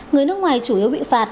người nước ngoài chủ yếu bị phạt